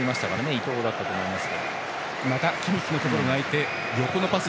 伊東だったと思います。